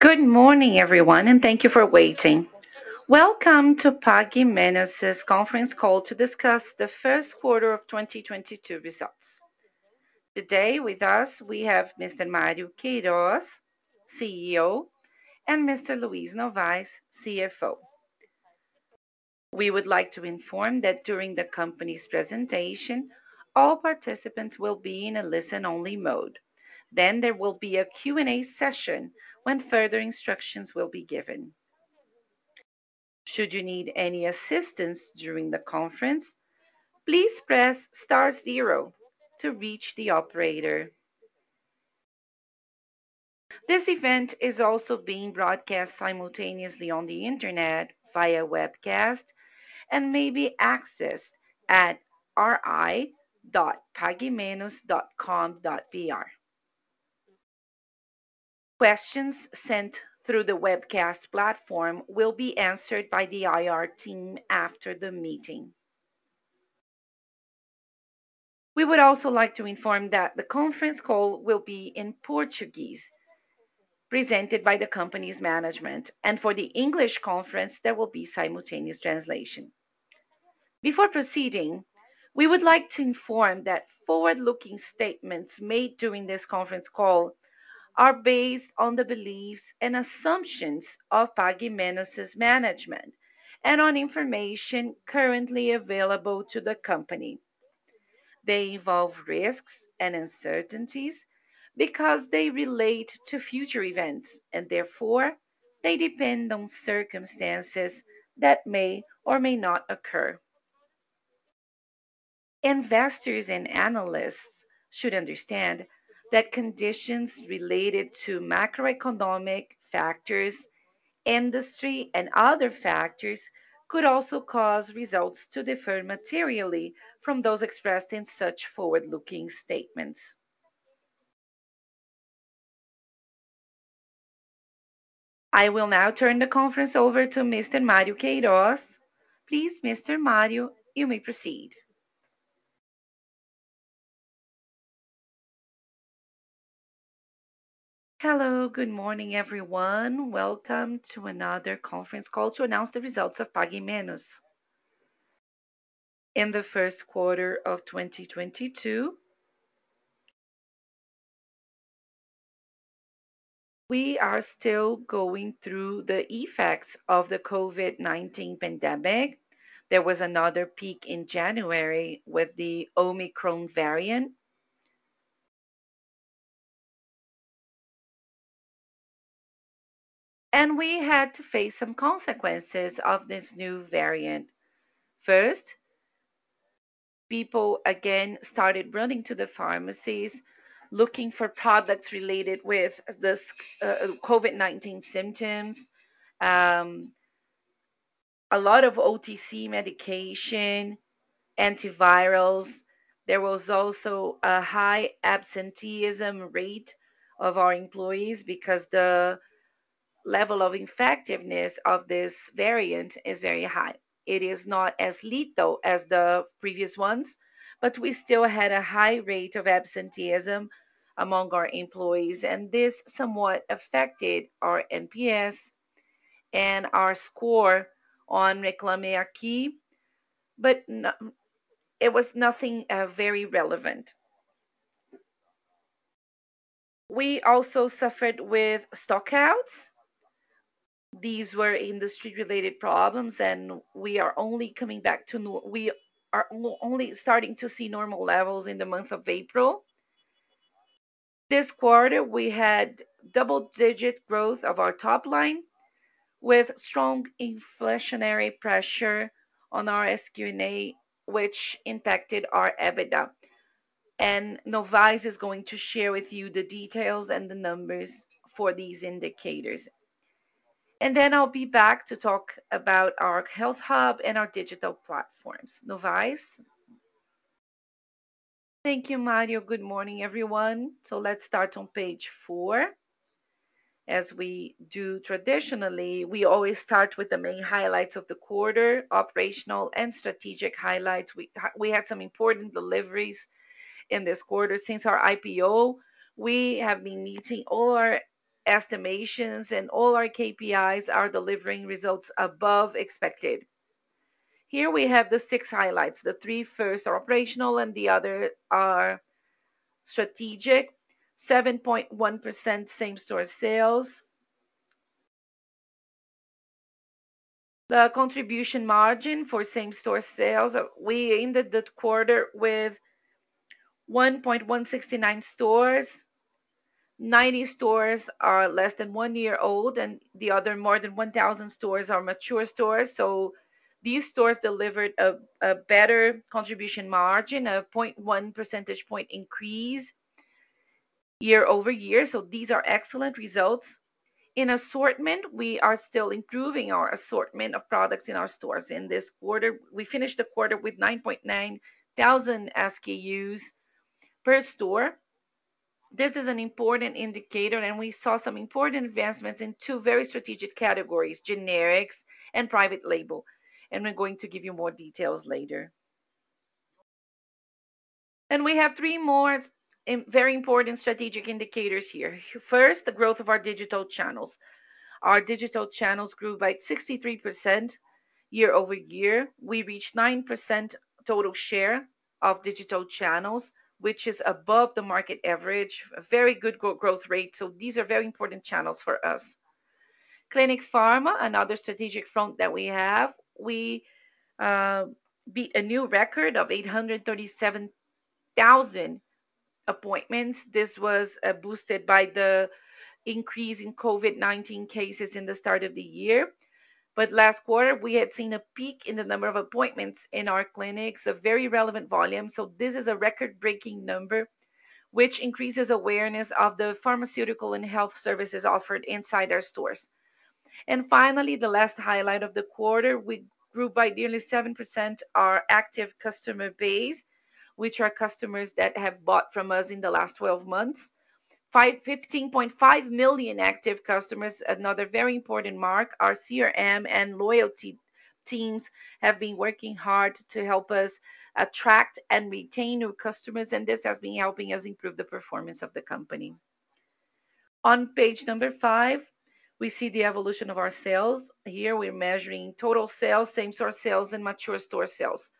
Good morning everyone, and thank you for waiting. Welcome to Pague Menos' conference call to discuss the first quarter of 2022 results. Today with us we have Mr. Mário Queiróz, CEO, and Mr. Luiz Novais, CFO. We would like to inform that during the company's presentation, all participants will be in a listen-only mode. Then there will be a Q&A session when further instructions will be given. Should you need any assistance during the conference, please press star zero to reach the operator. This event is also being broadcast simultaneously on the Internet via webcast and may be accessed at ri.paguemenos.com.br. Questions sent through the webcast platform will be answered by the IR team after the meeting. We would also like to inform that the conference call will be in Portuguese, presented by the company's management, and for the English conference, there will be simultaneous translation. Before proceeding, we would like to inform that forward-looking statements made during this conference call are based on the beliefs and assumptions of Pague Menos' management and on information currently available to the company. They involve risks and uncertainties because they relate to future events and therefore they depend on circumstances that may or may not occur. Investors and analysts should understand that conditions related to macroeconomic factors, industry, and other factors could also cause results to differ materially from those expressed in such forward-looking statements. I will now turn the conference over to Mr. Mário Queirós. Please, Mr. Mário, you may proceed. Hello. Good morning, everyone. Welcome to another conference call to announce the results of Pague Menos in the first quarter of 2022. We are still going through the effects of the COVID-19 pandemic. There was another peak in January with the Omicron variant. We had to face some consequences of this new variant. First, people again started running to the pharmacies looking for products related with this, COVID-19 symptoms. A lot of OTC medication antivirals. There was also a high absenteeism rate of our employees because the level of infectiveness of this variant is very high. It is not as lethal as the previous ones, but we still had a high rate of absenteeism among our employees, and this somewhat affected our NPS and our score on Reclame Aqui, but it was nothing, very relevant. We also suffered with stock-outs. These were industry related problems, and we are only starting to see normal levels in the month of April. This quarter we had double-digit growth of our top line with strong inflationary pressure on our SKU and SG&A, which impacted our EBITDA. Novais is going to share with you the details and the numbers for these indicators. Then I'll be back to talk about our Health Hub and our digital platforms. Novais? Thank you, Mário. Good morning everyone. Let's start on page four. As we do traditionally, we always start with the main highlights of the quarter, operational and strategic highlights. We had some important deliveries in this quarter. Since our IPO, we have been meeting all our estimations and all our KPIs are delivering results above expected. Here we have the six highlights. The three first are operational and the other are strategic. 7.1% same-store sales. The contribution margin for same-store sales, we ended the quarter with 1,169 stores. 90 stores are less than one year old, and the other more than 1,000 stores are mature stores. These stores delivered a better contribution margin, 1 percentage point increase year-over-year. These are excellent results. In assortment, we are still improving our assortment of products in our stores in this quarter. We finished the quarter with 9,900 SKUs per store. This is an important indicator, and we saw some important advancements in two very strategic categories, generics and private label. We're going to give you more details later. We have three more very important strategic indicators here. First, the growth of our digital channels. Our digital channels grew by 63% year-over-year. We reached 9% total share of digital channels, which is above the market average. A very good growth rate. These are very important channels for us. Clinic Farma, another strategic front that we have. We beat a new record of 837,000 appointments. This was boosted by the increase in COVID-19 cases in the start of the year. Last quarter, we had seen a peak in the number of appointments in our clinics, a very relevant volume. This is a record-breaking number, which increases awareness of the pharmaceutical and health services offered inside our stores. Finally, the last highlight of the quarter, we grew by nearly 7% our active customer base, which are customers that have bought from us in the last twelve months. 15.5 million active customers, another very important mark. Our CRM and loyalty teams have been working hard to help us attract and retain new customers, and this has been helping us improve the performance of the company. On page number five, we see the evolution of our sales. Here, we're measuring total sales, same-store sales, and mature store sales.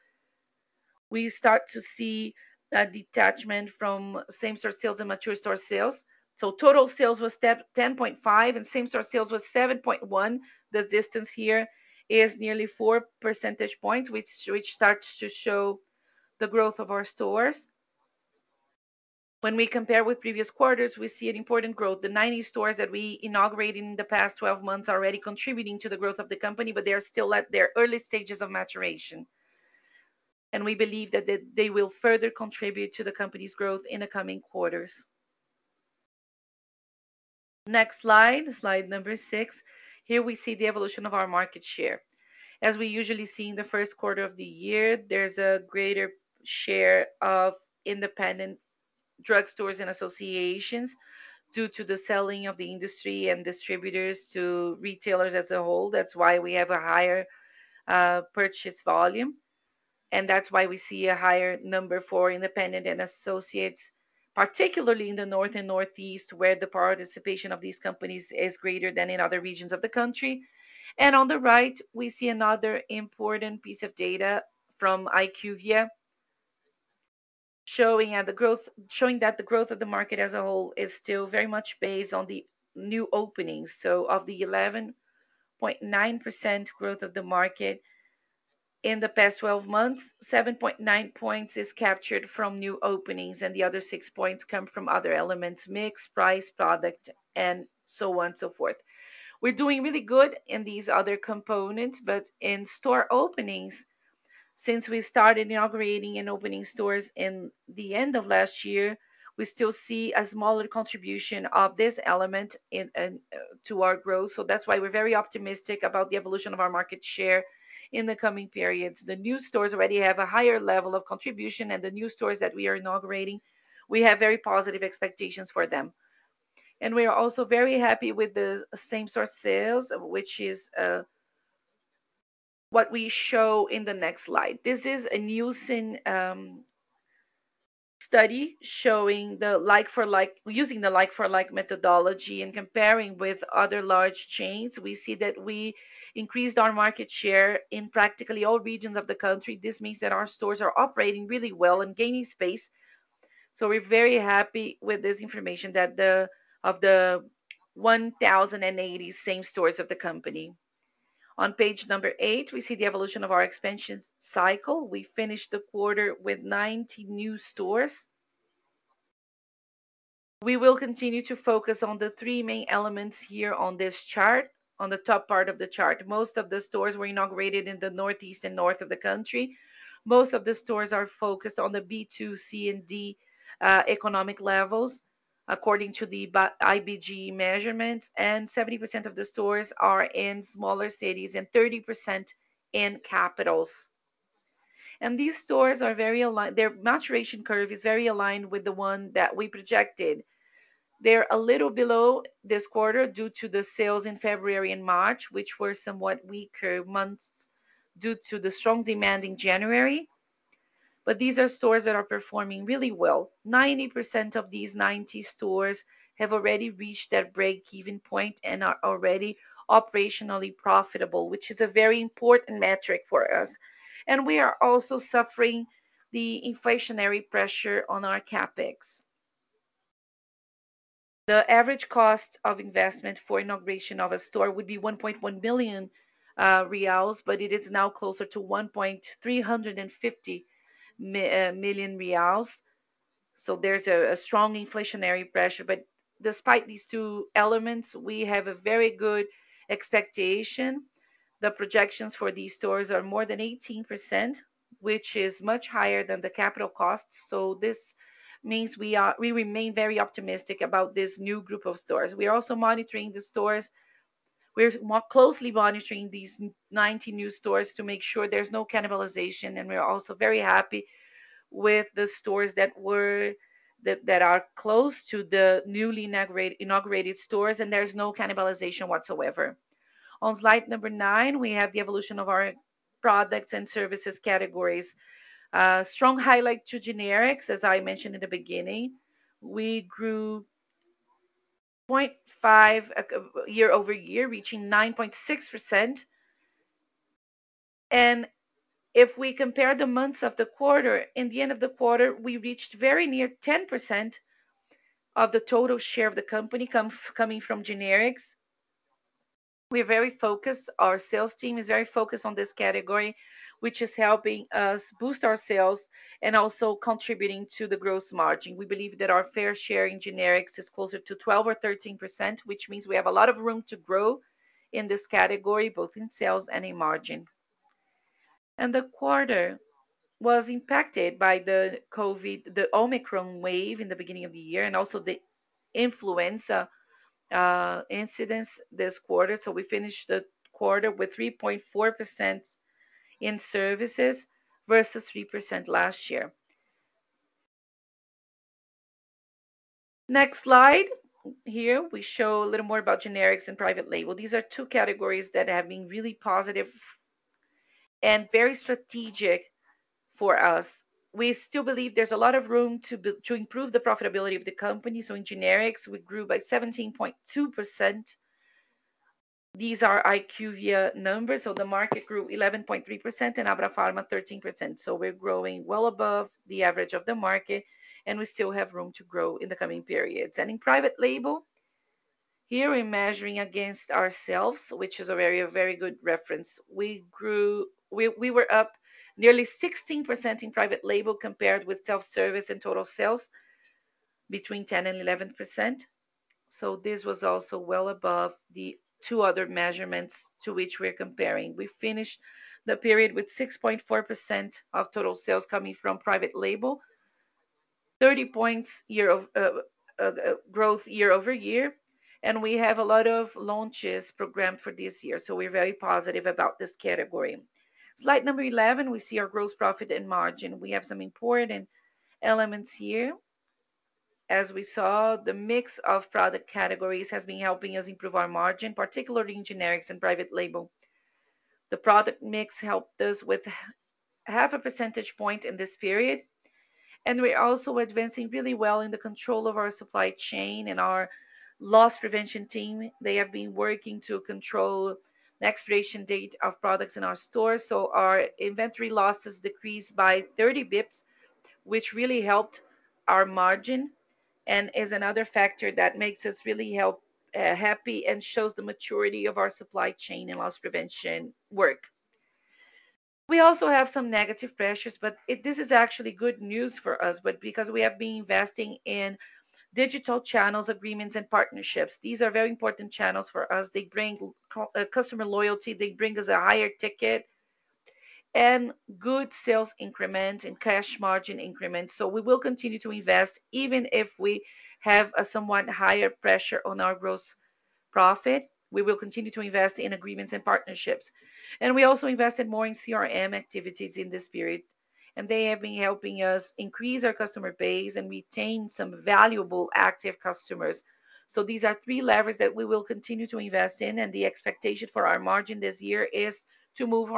We start to see a detachment from same-store sales and mature store sales. Total sales was 10.5%, and same-store sales was 7.1%. The distance here is nearly four percentage points, which starts to show the growth of our stores. When we compare with previous quarters, we see an important growth. The 90 stores that we inaugurated in the past 12 months are already contributing to the growth of the company, but they are still at their early stages of maturation. We believe that they will further contribute to the company's growth in the coming quarters. Next slide number six. Here we see the evolution of our market share. As we usually see in the first quarter of the year, there's a greater share of independent drugstores and associations due to the selling of the industry and distributors to retailers as a whole. That's why we have a higher purchase volume, and that's why we see a higher number for independent and associates, particularly in the North and Northeast, where the participation of these companies is greater than in other regions of the country. On the right, we see another important piece of data from IQVIA showing that the growth of the market as a whole is still very much based on the new openings. Of the 11.9% growth of the market in the past 12 months, 7.9 basis points is captured from new openings, and the other 6 basis points come from other elements: mix, price, product, and so on and so forth. We're doing really good in these other components, but in store openings, since we started inaugurating and opening stores in the end of last year, we still see a smaller contribution of this element in to our growth. That's why we're very optimistic about the evolution of our market share in the coming periods. The new stores already have a higher level of contribution, and the new stores that we are inaugurating, we have very positive expectations for them. We are also very happy with the same-store sales, which is what we show in the next slide. This is a new census study showing the like-for-like using the like-for-like methodology and comparing with other large chains. We see that we increased our market share in practically all regions of the country. This means that our stores are operating really well and gaining space. We're very happy with this information of the 1,080 same stores of the company. On page eight, we see the evolution of our expansion cycle. We finished the quarter with 90 new stores. We will continue to focus on the three main elements here on this chart, on the top part of the chart. Most of the stores were inaugurated in the Northeast and North of the country. Most of the stores are focused on the B2, C, and D economic levels according to the IBGE measurements, and 70% of the stores are in smaller cities and 30% in capitals. These stores are very Their maturation curve is very aligned with the one that we projected. They're a little below this quarter due to the sales in February and March, which were somewhat weaker months due to the strong demand in January. These are stores that are performing really well. 90% of these 90 stores have already reached their break-even point and are already operationally profitable, which is a very important metric for us. We are also suffering the inflationary pressure on our CapEx. The average cost of investment for inauguration of a store would be 1.1 million reais, but it is now closer to 1.35 million reais. There's a strong inflationary pressure. Despite these two elements, we have a very good expectation. The projections for these stores are more than 18%, which is much higher than the capital costs. This means we remain very optimistic about this new group of stores. We are also monitoring the stores. We're more closely monitoring these 90 new stores to make sure there's no cannibalization, and we are also very happy with the stores that are close to the newly inaugurated stores, and there's no cannibalization whatsoever. On slide number nine, we have the evolution of our products and services categories. Strong highlight to generics, as I mentioned in the beginning. We grew 0.5% year-over-year, reaching 9.6%. If we compare the months of the quarter, in the end of the quarter, we reached very near 10% of the total share of the company coming from generics. We're very focused. Our sales team is very focused on this category, which is helping us boost our sales and also contributing to the gross margin. We believe that our fair share in generics is closer to 12% or 13%, which means we have a lot of room to grow in this category, both in sales and in margin. The quarter was impacted by the COVID-19, the Omicron wave in the beginning of the year and also the influenza incidence this quarter. We finished the quarter with 3.4% in services versus 3% last year. Next slide. Here, we show a little more about generics and private label. These are two categories that have been really positive and very strategic for us. We still believe there's a lot of room to improve the profitability of the company. In generics, we grew by 17.2%. These are IQVIA numbers, so the market grew 11.3% and Abrafarma 13%. We're growing well above the average of the market, and we still have room to grow in the coming periods. In private label, here we're measuring against ourselves, which is a very good reference. We were up nearly 16% in private label compared with self-service and total sales between 10% and 11%. This was also well above the two other measurements to which we are comparing. We finished the period with 6.4% of total sales coming from private label, 30 basis points year-over-year growth, and we have a lot of launches programmed for this year. We're very positive about this category. Slide number 11, we see our gross profit and margin. We have some important elements here. As we saw, the mix of product categories has been helping us improve our margin, particularly in generics and private label. The product mix helped us with half a percentage point in this period, and we're also advancing really well in the control of our supply chain and our loss prevention team. They have been working to control the expiration date of products in our store, so our inventory losses decreased by 30 basis points, which really helped our margin and is another factor that makes us really happy and shows the maturity of our supply chain and loss prevention work. We also have some negative pressures, but this is actually good news for us, but because we have been investing in digital channels, agreements, and partnerships. These are very important channels for us. They bring customer loyalty, they bring us a higher ticket and good sales increment and cash margin increment. We will continue to invest, even if we have a somewhat higher pressure on our gross profit. We will continue to invest in agreements and partnerships. We also invested more in CRM activities in this period, and they have been helping us increase our customer base and retain some valuable active customers. These are three levers that we will continue to invest in, and the expectation for our margin this year is to move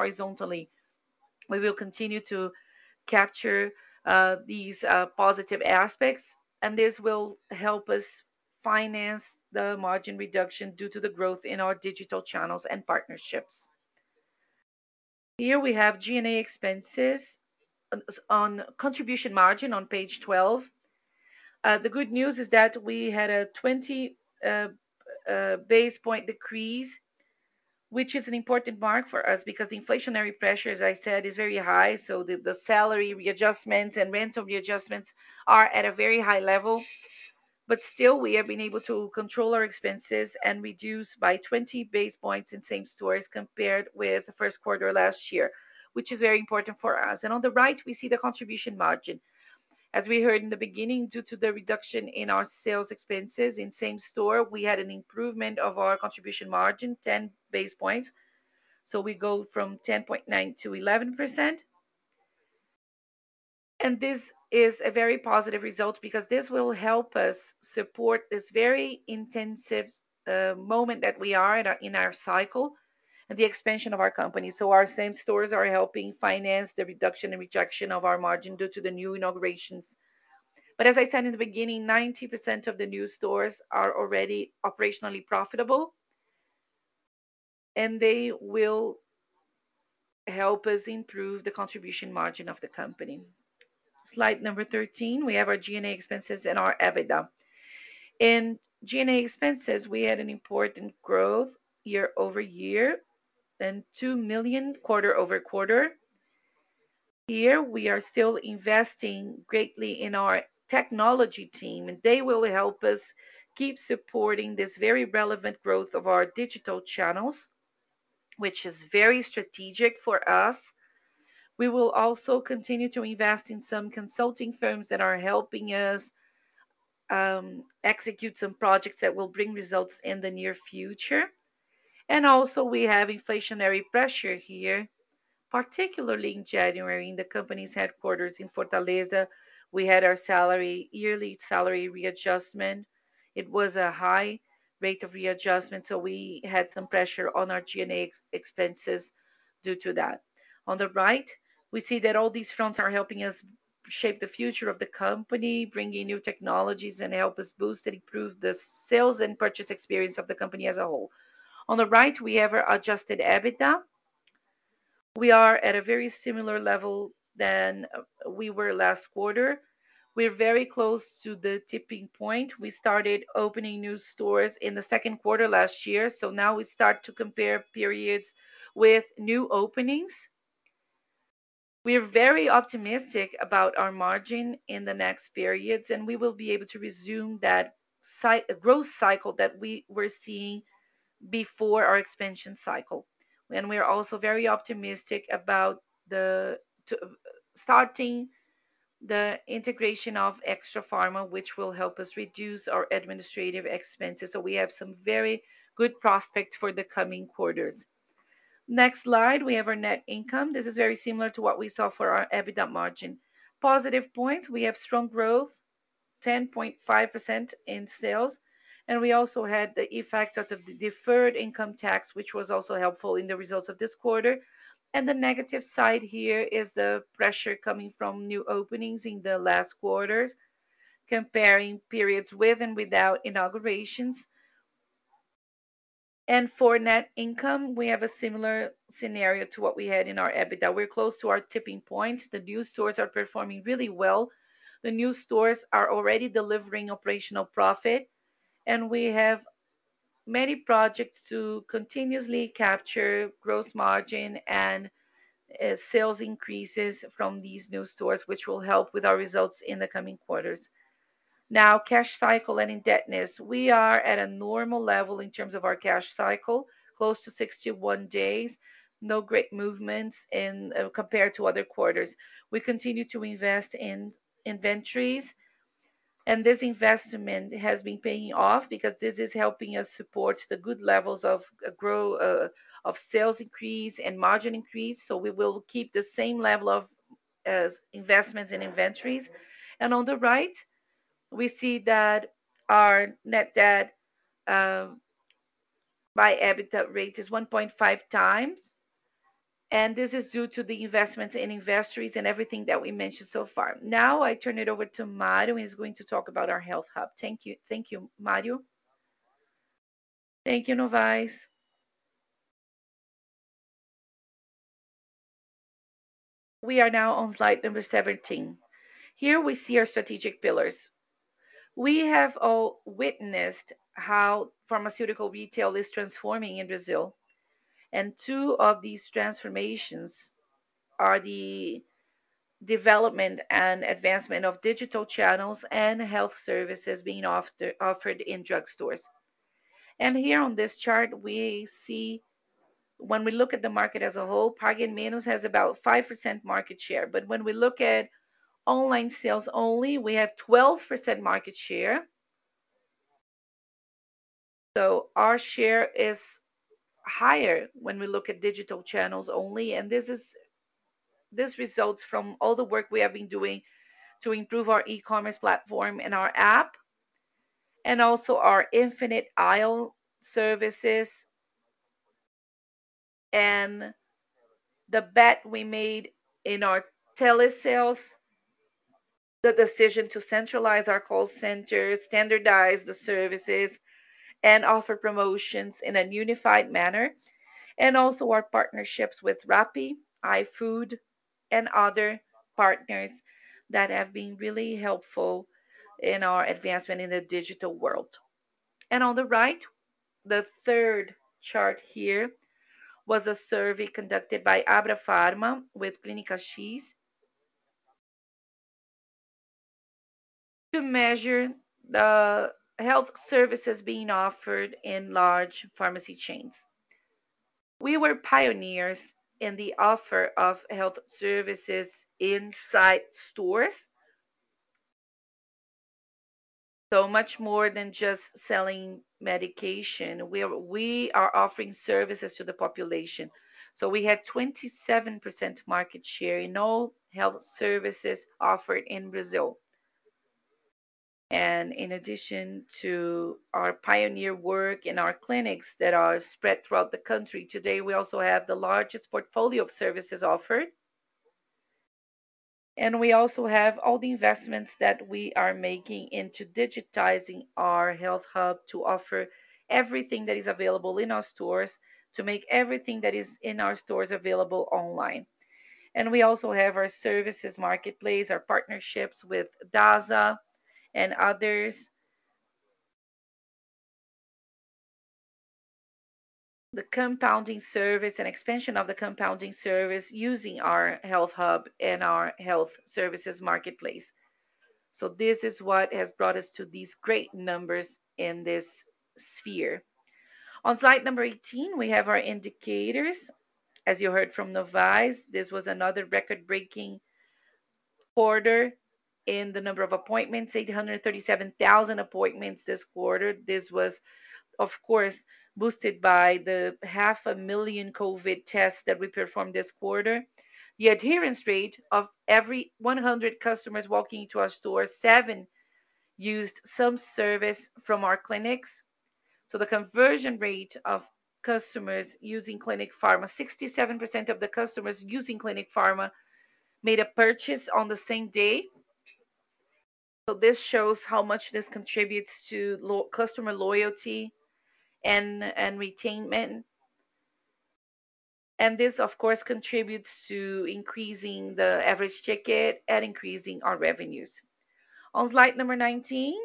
horizontally. We will continue to capture these positive aspects, and this will help us finance the margin reduction due to the growth in our digital channels and partnerships. Here we have G&A expenses on contribution margin on page 12. The good news is that we had a 20 basis point decrease, which is an important mark for us because the inflationary pressure, as I said, is very high. The salary readjustments and rental readjustments are at a very high level. Still, we have been able to control our expenses and reduce by 20 basis points in same-store compared with the first quarter last year, which is very important for us. On the right, we see the contribution margin. As we heard in the beginning, due to the reduction in our sales expenses in same-store, we had an improvement of our contribution margin, 10 basis points. We go from 10.9% to 11%. This is a very positive result because this will help us support this very intensive moment that we are in our cycle and the expansion of our company. Our same-store are helping finance the reduction and erosion of our margin due to the new inaugurations. As I said in the beginning, 90% of the new stores are already operationally profitable, and they will help us improve the contribution margin of the company. Slide 13, we have our G&A expenses and our EBITDA. In G&A expenses, we had an important growth year-over-year, then BRL 2 million quarter-over-quarter. Here, we are still investing greatly in our technology team, and they will help us keep supporting this very relevant growth of our digital channels, which is very strategic for us. We will also continue to invest in some consulting firms that are helping us execute some projects that will bring results in the near future. We have inflationary pressure here. Particularly in January, in the company's headquarters in Fortaleza, we had our yearly salary readjustment. It was a high rate of readjustment, so we had some pressure on our G&A expenses due to that. On the right, we see that all these fronts are helping us shape the future of the company, bringing new technologies and help us boost and improve the sales and purchase experience of the company as a whole. On the right, we have our adjusted EBITDA. We are at a very similar level than we were last quarter. We're very close to the tipping point. We started opening new stores in the second quarter last year, so now we start to compare periods with new openings. We're very optimistic about our margin in the next periods, and we will be able to resume that growth cycle that we were seeing before our expansion cycle. We're also very optimistic about starting the integration of Extrafarma, which will help us reduce our administrative expenses. We have some very good prospects for the coming quarters. Next slide, we have our net income. This is very similar to what we saw for our EBITDA margin. Positive points, we have strong growth, 10.5% in sales, and we also had the effect of the deferred income tax, which was also helpful in the results of this quarter. The negative side here is the pressure coming from new openings in the last quarters, comparing periods with and without inaugurations. For net income, we have a similar scenario to what we had in our EBITDA. We're close to our tipping point. The new stores are performing really well. The new stores are already delivering operational profit, and we have many projects to continuously capture gross margin and sales increases from these new stores, which will help with our results in the coming quarters. Now, cash cycle and indebtedness. We are at a normal level in terms of our cash cycle, close to 61 days. No great movements compared to other quarters. We continue to invest in inventories, and this investment has been paying off because this is helping us support the good levels of sales increase and margin increase, so we will keep the same level of investments in inventories. On the right, we see that our net debt by EBITDA rate is 1.5x, and this is due to the investments in inventories and everything that we mentioned so far. Now, I turn it over to Mário, who is going to talk about our Health Hub. Thank you. Thank you, Mário? Thank you, Novais. We are now on slide number 17. Here we see our strategic pillars. We have all witnessed how pharmaceutical retail is transforming in Brazil, and two of these transformations are the development and advancement of digital channels and health services being offered in drugstores. Here on this chart, we see when we look at the market as a whole, Pague Menos has about 5% market share. When we look at online sales only, we have 12% market share. Our share is higher when we look at digital channels only, and this results from all the work we have been doing to improve our e-commerce platform and our app, and also our infinite aisle services and the bet we made in our telesales, the decision to centralize our call centers, standardize the services, and offer promotions in a unified manner. Also our partnerships with Rappi, iFood, and other partners that have been really helpful in our advancement in the digital world. On the right, the third chart here, was a survey conducted by Abrafarma with Clínica SiS to measure the health services being offered in large pharmacy chains. We were pioneers in the offer of health services inside stores. Much more than just selling medication, we are offering services to the population. We had 27% market share in all health services offered in Brazil. In addition to our pioneer work in our clinics that are spread throughout the country, today, we also have the largest portfolio of services offered. We also have all the investments that we are making into digitizing our Health Hub to offer everything that is available in our stores, to make everything that is in our stores available online. We also have our services marketplace, our partnerships with Dasa and others. The compounding service and expansion of the compounding service using our Health Hub and our health services marketplace. This is what has brought us to these great numbers in this sphere. On slide number 18, we have our indicators. As you heard from Novais, this was another record-breaking quarter and the number of appointments, 837,000 appointments this quarter. This was, of course, boosted by the 500,000 COVID tests that we performed this quarter. The adherence rate of every 100 customers walking into our store, seven used some service from our clinics. The conversion rate of customers using Clinic Farma, 67% of the customers using Clinic Farma made a purchase on the same day. This shows how much this contributes to customer loyalty and retention. This, of course, contributes to increasing the average ticket and increasing our revenues. On slide number 19,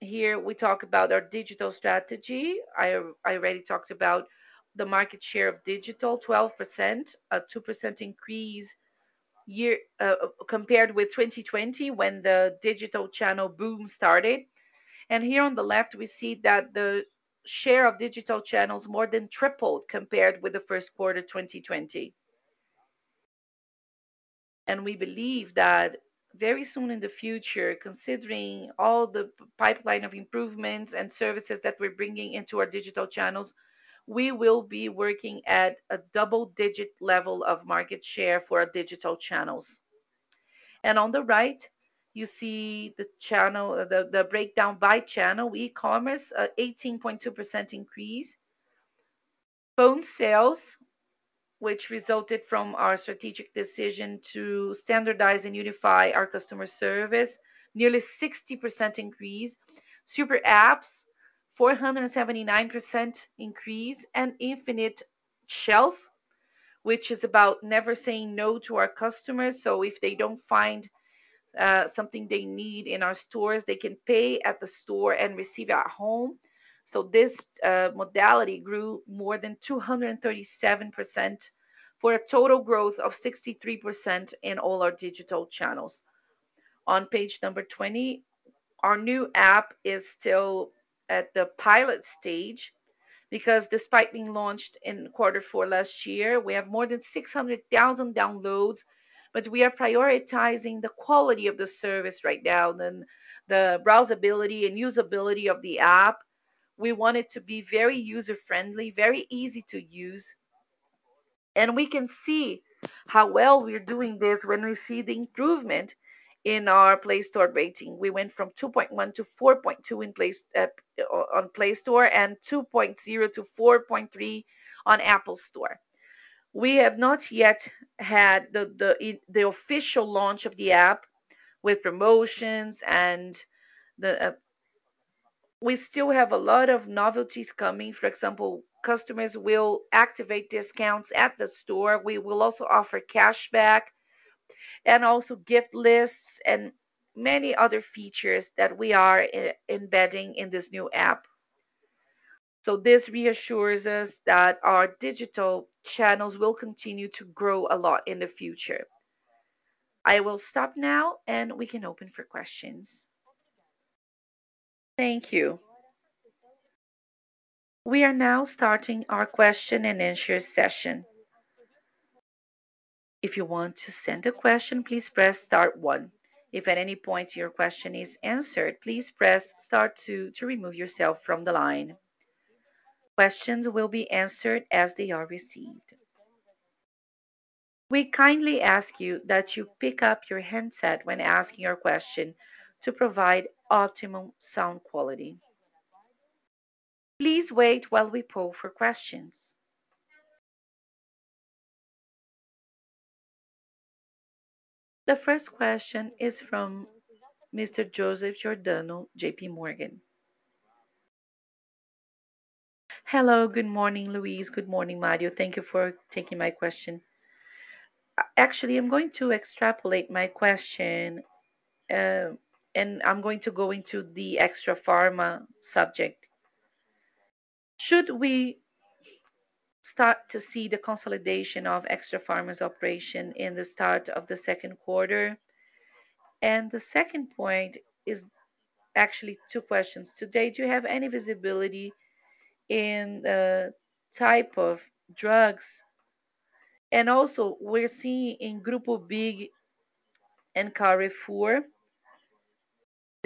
here we talk about our digital strategy. I already talked about the market share of digital, 12%, a 2% increase year compared with 2020 when the digital channel boom started. Here on the left we see that the share of digital channels more than tripled compared with the first quarter, 2020. We believe that very soon in the future, considering all the pipeline of improvements and services that we're bringing into our digital channels, we will be working at a double-digit level of market share for our digital channels. On the right, you see the channel, the breakdown by channel. E-commerce, an 18.2% increase. Phone sales, which resulted from our strategic decision to standardize and unify our customer service, nearly 60% increase. Super apps, 479% increase. Infinite shelf, which is about never saying no to our customers, so if they don't find something they need in our stores, they can pay at the store and receive at home. This modality grew more than 237% for a total growth of 63% in all our digital channels. On page number 20, our new app is still at the pilot stage because despite being launched in quarter four last year, we have more than 600,000 downloads, but we are prioritizing the quality of the service right now than the browsability and usability of the app. We want it to be very user-friendly, very easy to use. We can see how well we're doing this when we see the improvement in our Play Store rating. We went from 2.1 to 4.2 on Play Store and 2.0 to 4.3 on Apple Store. We have not yet had the official launch of the app with promotions. We still have a lot of novelties coming. For example, customers will activate discounts at the store. We will also offer cashback and also gift lists and many other features that we are embedding in this new app. This reassures us that our digital channels will continue to grow a lot in the future. I will stop now, and we can open for questions. Thank you. We are now starting our question and answer session. If you want to send a question, please press star one. If at any point your question is answered, please press star two to remove yourself from the line. Questions will be answered as they are received. We kindly ask you that you pick up your handset when asking your question to provide optimum sound quality. Please wait while we poll for questions. The first question is from Mr. Joseph Giordano, J.P. Morgan. Hello, good morning, Luiz. Good morning, Mário. Thank you for taking my question. Actually, I'm going to extrapolate my question, and I'm going to go into the Extrafarma subject. Should we start to see the consolidation of Extrafarma's operation in the start of the second quarter? The second point is actually two questions. Today, do you have any visibility in the type of drugs? Also we're seeing in Grupo BIG and Carrefour,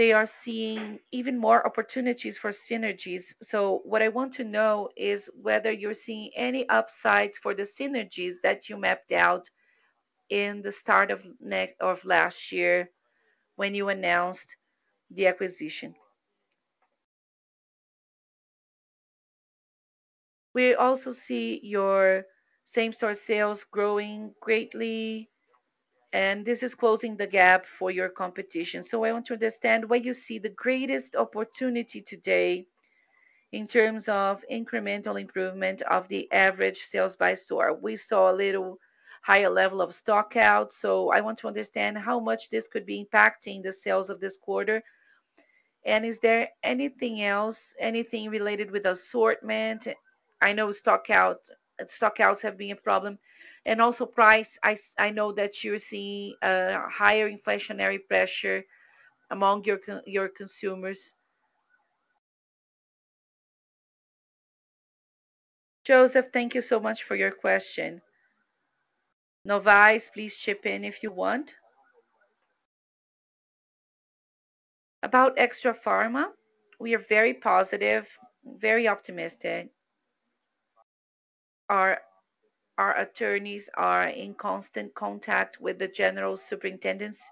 they are seeing even more opportunities for synergies. What I want to know is whether you're seeing any upsides for the synergies that you mapped out in the start of of last year when you announced the acquisition. We also see your same-store sales growing greatly, and this is closing the gap for your competition. I want to understand where you see the greatest opportunity today in terms of incremental improvement of the average sales by store. We saw a little higher level of stockouts, so I want to understand how much this could be impacting the sales of this quarter. Is there anything else, anything related with assortment? I know stockouts have been a problem. Also price, I know that you're seeing higher inflationary pressure among your consumers. Joseph, thank you so much for your question. Novais, please chip in if you want. About Extrafarma, we are very positive, very optimistic. Our attorneys are in constant contact with the general superintendents.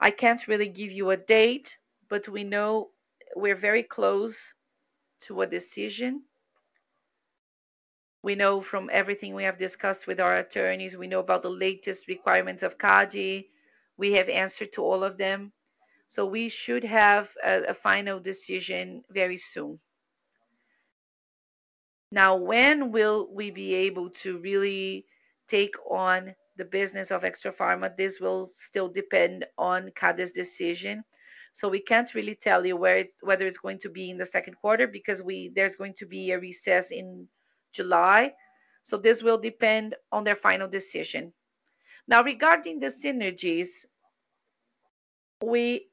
I can't really give you a date, but we know we're very close to a decision. We know from everything we have discussed with our attorneys, we know about the latest requirements of CADE. We have answered to all of them. We should have a final decision very soon. Now, when will we be able to really take on the business of Extrafarma? This will still depend on CADE's decision. We can't really tell you whether it's going to be in the second quarter because there's going to be a recess in July. This will depend on their final decision. Now, regarding the synergies, we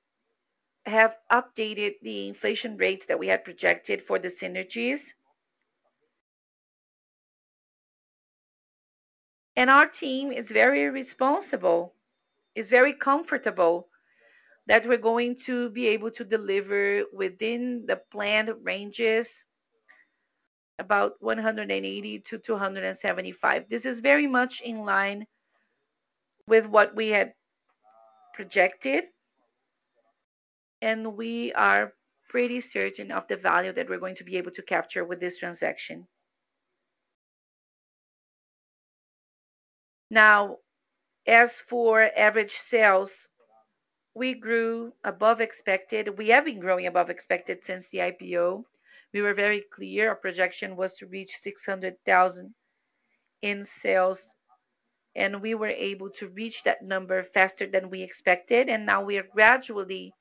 have updated the inflation rates that we had projected for the synergies. Our team is very responsible, is very comfortable that we're going to be able to deliver within the planned ranges, about 180-275. This is very much in line with what we had projected, and we are pretty certain of the value that we're going to be able to capture with this transaction. Now, as for average sales, we grew above expected. We have been growing above expected since the IPO. We were very clear. Our projection was to reach 600,000 in sales, and we were able to reach that number faster than we expected, now we are gradually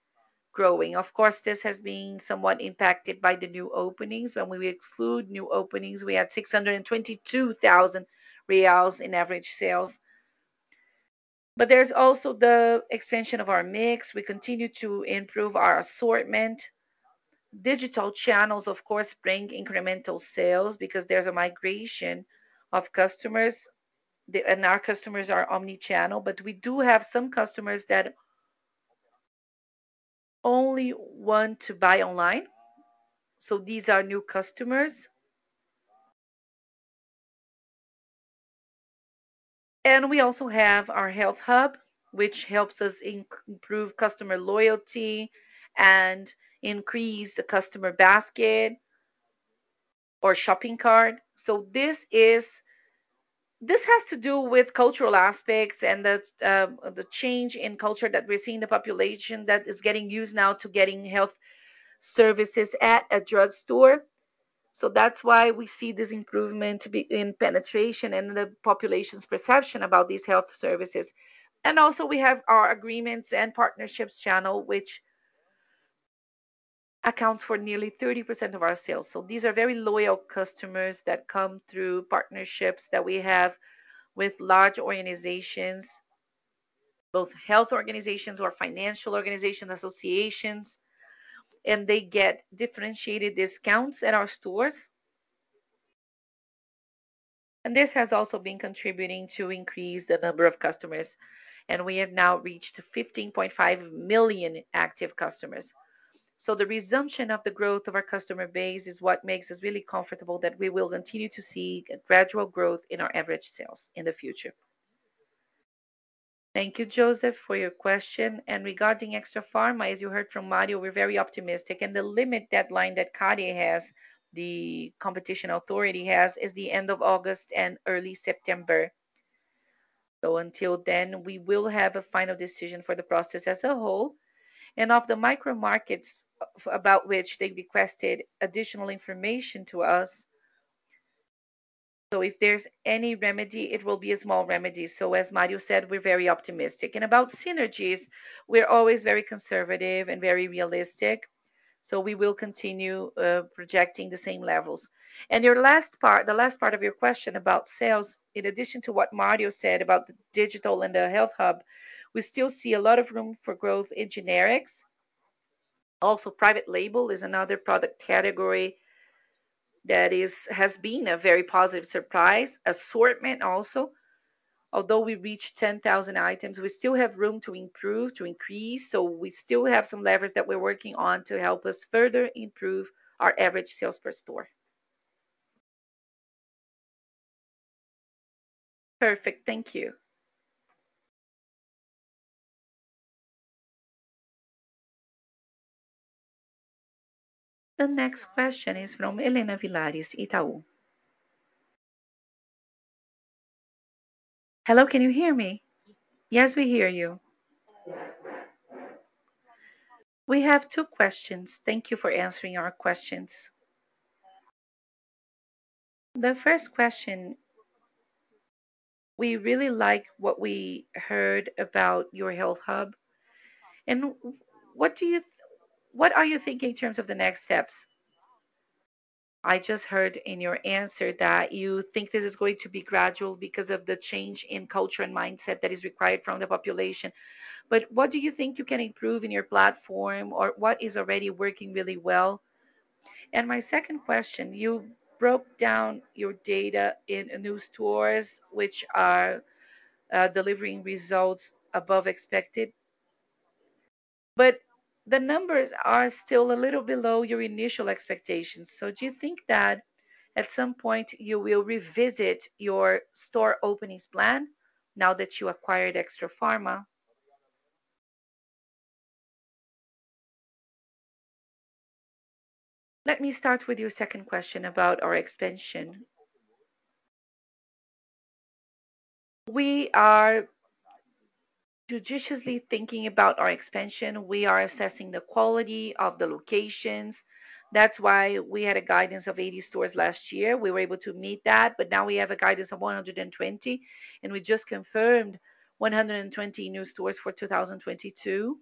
growing. Of course, this has been somewhat impacted by the new openings. When we exclude new openings, we had 622,000 reais in average sales. There's also the expansion of our mix. We continue to improve our assortment. Digital channels, of course, bring incremental sales because there's a migration of customers. Our customers are omni-channel, but we do have some customers that only want to buy online, so these are new customers. We also have our Health Hub, which helps us improve customer loyalty and increase the customer basket or shopping cart. This has to do with cultural aspects and the change in culture that we're seeing, the population that is getting used now to getting health services at a drugstore. That's why we see this improvement in penetration and the population's perception about these health services. Also, we have our agreements and partnerships channel, which accounts for nearly 30% of our sales. These are very loyal customers that come through partnerships that we have with large organizations, both health organizations or financial organization associations, and they get differentiated discounts at our stores. This has also been contributing to increase the number of customers, and we have now reached 15.5 million active customers. The resumption of the growth of our customer base is what makes us really comfortable that we will continue to see a gradual growth in our average sales in the future. Thank you, Joseph, for your question. Regarding Extrafarma, as you heard from Mário, we're very optimistic. The limit deadline that CADE has, the competition authority has, is the end of August and early September. Until then, we will have a final decision for the process as a whole. Of the micro markets about which they requested additional information from us, so if there's any remedy, it will be a small remedy. As Mário said, we're very optimistic. About synergies, we're always very conservative and very realistic, so we will continue projecting the same levels. Your last part, the last part of your question about sales, in addition to what Mario said about the digital and the Health Hub, we still see a lot of room for growth in generics. Also, private label is another product category that is, has been a very positive surprise. Assortment also. Although we reached 10,000 items, we still have room to improve, to increase. So we still have some levers that we're working on to help us further improve our average sales per store. Perfect. Thank you. The next question is from Helena Villares, Itaú. Hello, can you hear me? Yes, we hear you. We have two questions. Thank you for answering our questions. The first question, we really like what we heard about your Health Hub. What are you thinking in terms of the next steps? I just heard in your answer that you think this is going to be gradual because of the change in culture and mindset that is required from the population. What do you think you can improve in your platform, or what is already working really well? My second question, you broke down your data in new stores which are, delivering results above expected. The numbers are still a little below your initial expectations. Do you think that at some point you will revisit your store openings plan now that you acquired Extrafarma? Let me start with your second question about our expansion. We are judiciously thinking about our expansion. We are assessing the quality of the locations. That's why we had a guidance of 80 stores last year. We were able to meet that, but now we have a guidance of 120, and we just confirmed 120 new stores for 2022.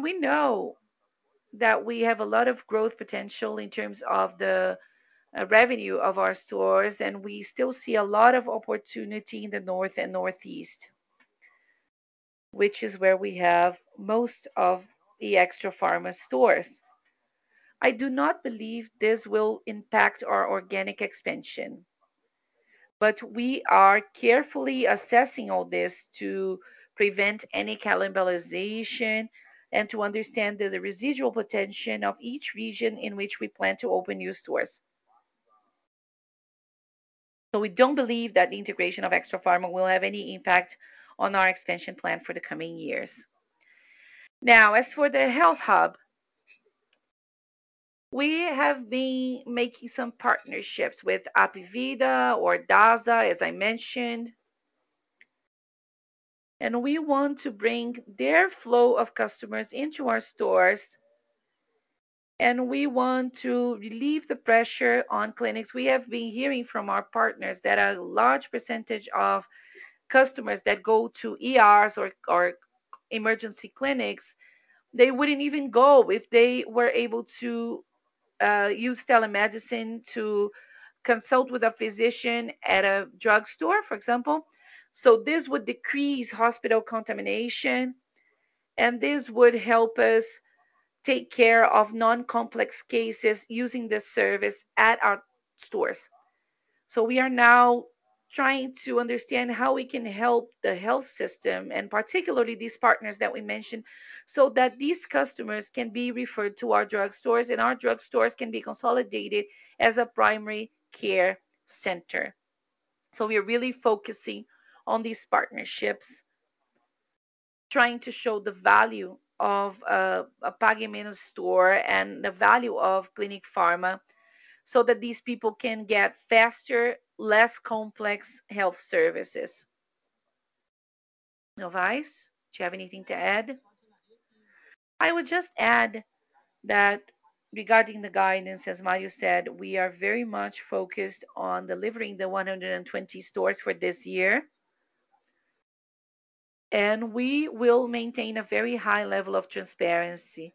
We know that we have a lot of growth potential in terms of the revenue of our stores, and we still see a lot of opportunity in the north and northeast, which is where we have most of the Extrafarma stores. I do not believe this will impact our organic expansion, but we are carefully assessing all this to prevent any cannibalization and to understand the residual potential of each region in which we plan to open new stores. We don't believe that the integration of Extrafarma will have any impact on our expansion plan for the coming years. Now, as for the Health Hub, we have been making some partnerships with Hapvida or Dasa, as I mentioned. We want to bring their flow of customers into our stores, and we want to relieve the pressure on clinics. We have been hearing from our partners that a large percentage of customers that go to ERs or emergency clinics, they wouldn't even go if they were able to use telemedicine to consult with a physician at a drugstore, for example. This would decrease hospital contamination, and this would help us take care of non-complex cases using this service at our stores. We are now trying to understand how we can help the health system, and particularly these partners that we mentioned, so that these customers can be referred to our drugstores, and our drugstores can be consolidated as a primary care center. We are really focusing on these partnerships, trying to show the value of a Pague Menos store and the value of Clinic Farma, so that these people can get faster, less complex health services. Novais, do you have anything to add? I would just add that regarding the guidance, as Mário said, we are very much focused on delivering the 120 stores for this year. We will maintain a very high level of transparency,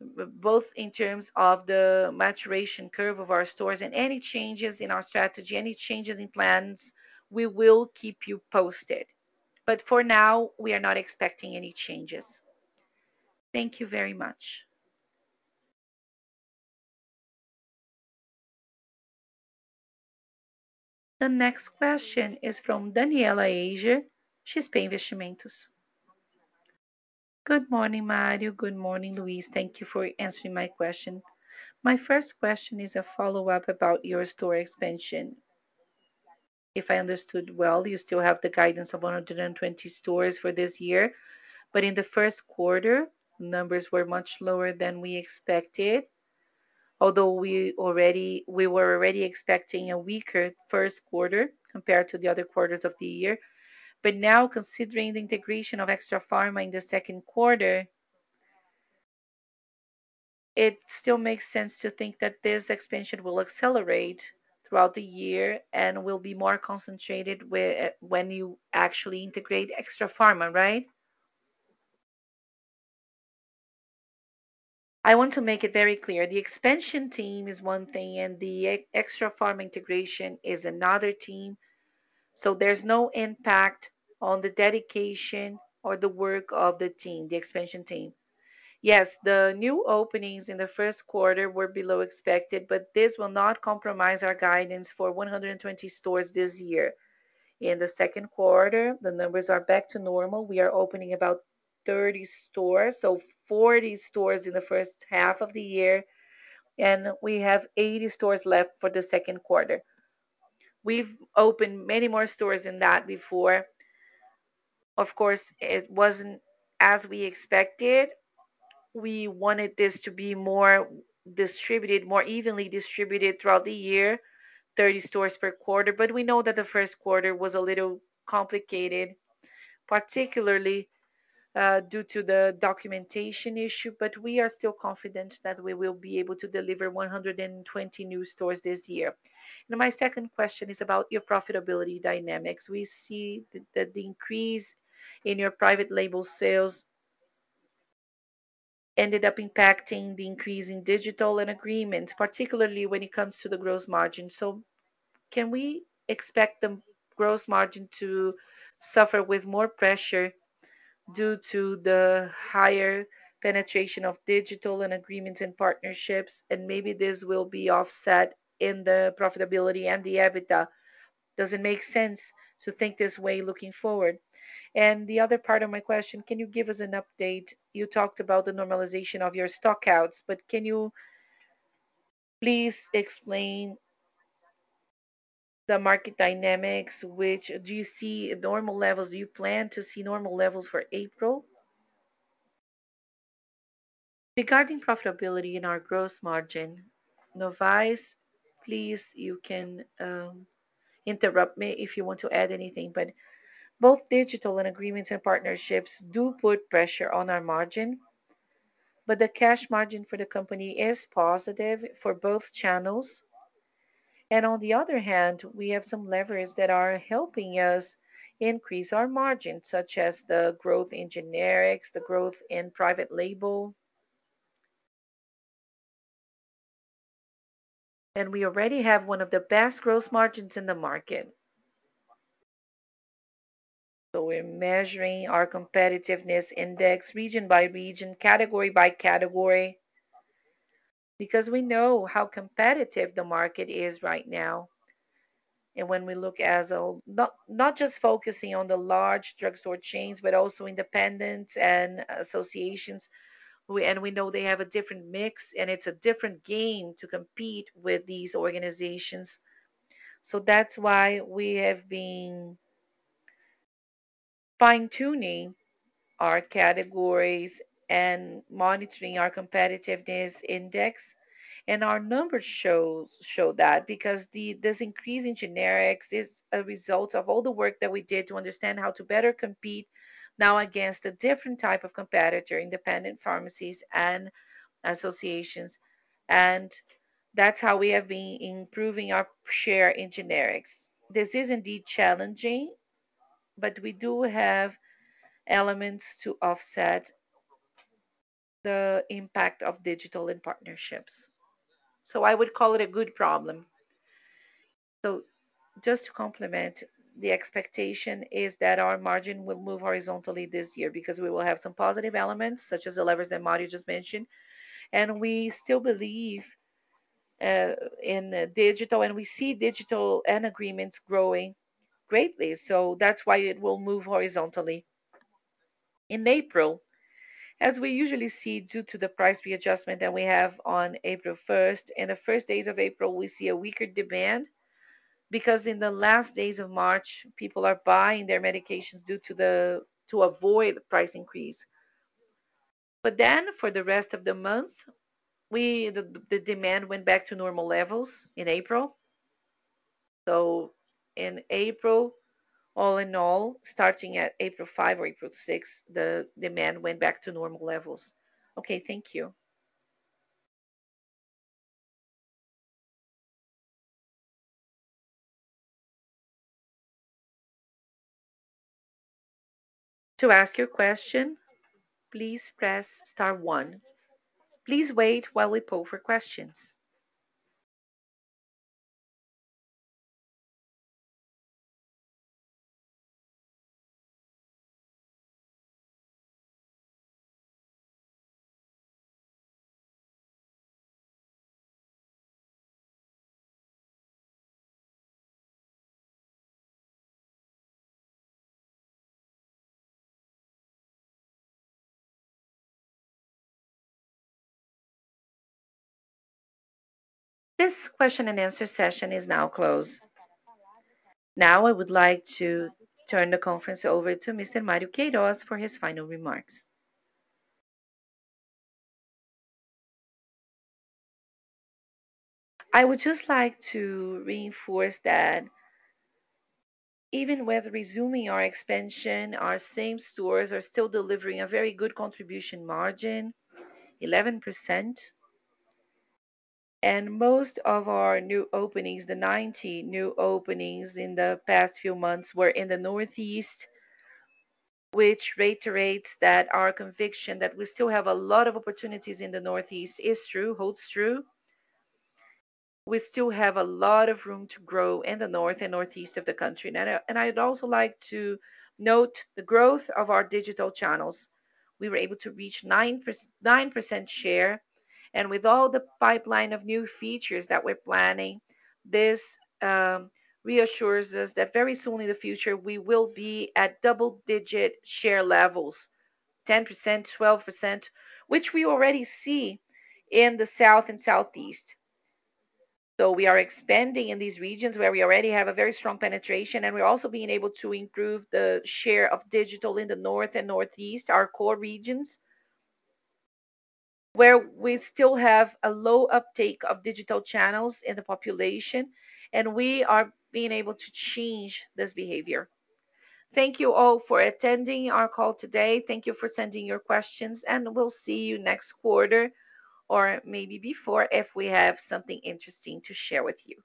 both in terms of the maturation curve of our stores and any changes in our strategy, any changes in plans. We will keep you posted. For now, we are not expecting any changes. Thank you very much. The next question is from Danniela Eiger. She's XP Investimentos. Good morning, Mário. Good morning, Luiz. Thank you for answering my question. My first question is a follow-up about your store expansion. If I understood well, you still have the guidance of 120 stores for this year. In the first quarter, numbers were much lower than we expected, although we were already expecting a weaker first quarter compared to the other quarters of the year. Now, considering the integration of Extrafarma in the second quarter, it still makes sense to think that this expansion will accelerate throughout the year and will be more concentrated when you actually integrate Extrafarma, right? I want to make it very clear, the expansion team is one thing, and the Extrafarma integration is another team. There's no impact on the dedication or the work of the team, the expansion team. Yes, the new openings in the first quarter were below expected, but this will not compromise our guidance for 120 stores this year. In the second quarter, the numbers are back to normal. We are opening about 30 stores, so 40 stores in the first half of the year, and we have 80 stores left for the second quarter. We've opened many more stores than that before. Of course, it wasn't as we expected. We wanted this to be more distributed, more evenly distributed throughout the year, 30 stores per quarter. We know that the first quarter was a little complicated, particularly, due to the documentation issue. We are still confident that we will be able to deliver 120 new stores this year. Now, my second question is about your profitability dynamics. We see that the increase in your private label sales ended up impacting the increase in digital and agreements, particularly when it comes to the gross margin. Can we expect the gross margin to suffer with more pressure due to the higher penetration of digital and agreements and partnerships, and maybe this will be offset in the profitability and the EBITDA? Does it make sense to think this way looking forward? The other part of my question, can you give us an update. You talked about the normalization of your stockouts, but can you please explain the market dynamics. Do you see normal levels? Do you plan to see normal levels for April? Regarding profitability in our gross margin, Novais, please, you can interrupt me if you want to add anything, but both digital and agreements and partnerships do put pressure on our margin. But the cash margin for the company is positive for both channels. On the other hand, we have some levers that are helping us increase our margin, such as the growth in generics, the growth in private label. We already have one of the best gross margins in the market. We're measuring our competitiveness index region by region, category by category, because we know how competitive the market is right now. When we look, not just focusing on the large drugstore chains, but also independents and associations. We know they have a different mix, and it's a different game to compete with these organizations. That's why we have been fine-tuning our categories and monitoring our competitiveness index. Our numbers show that because this increase in generics is a result of all the work that we did to understand how to better compete now against a different type of competitor, independent pharmacies and associations. That's how we have been improving our share in generics. This is indeed challenging, but we do have elements to offset the impact of digital and partnerships. I would call it a good problem. Just to complement, the expectation is that our margin will move horizontally this year because we will have some positive elements, such as the levers that Mário just mentioned. We still believe in digital, and we see digital and agreements growing greatly. That's why it will move horizontally. In April, as we usually see due to the price readjustment that we have on April first. In the first days of April, we see a weaker demand, because in the last days of March, people are buying their medications due to avoid the price increase. For the rest of the month, the demand went back to normal levels in April. In April, all in all, starting at April 5 or April 6, the demand went back to normal levels. Okay, thank you. To ask your question, please press star one. Please wait while we poll for questions. This question and answer session is now closed. Now, I would like to turn the conference over to Mr. Mário Queiroz for his final remarks. I would just like to reinforce that even with resuming our expansion, our same stores are still delivering a very good contribution margin, 11%. Most of our new openings, the 90 new openings in the past few months were in the northeast, which reiterates that our conviction that we still have a lot of opportunities in the northeast is true, holds true. We still have a lot of room to grow in the north and northeast of the country. Now, I'd also like to note the growth of our digital channels. We were able to reach 9% share. With all the pipeline of new features that we're planning, this reassures us that very soon in the future, we will be at double-digit share levels, 10%, 12%, which we already see in the south and southeast. We are expanding in these regions where we already have a very strong penetration, and we're also being able to improve the share of digital in the North and Northeast, our core regions, where we still have a low uptake of digital channels in the population, and we are being able to change this behavior. Thank you all for attending our call today. Thank you for sending your questions, and we'll see you next quarter, or maybe before if we have something interesting to share with you.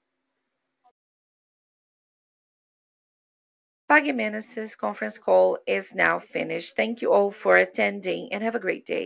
Pague Menos's conference call is now finished. Thank you all for attending and have a great day.